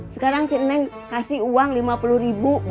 sekarang si neng kasih uang lima puluh ribu buat beli pulsa